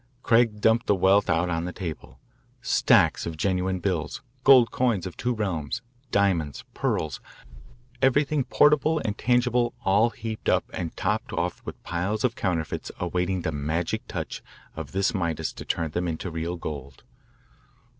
Craig dumped the wealth out on the table stacks of genuine bills, gold coins of two realms, diamonds, pearls, everything portable and tangible all heaped up and topped off with piles of counterfeits awaiting the magic touch of this Midas to turn them into real gold.